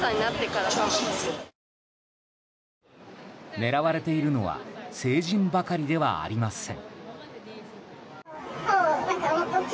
狙われているのは成人ばかりではありません。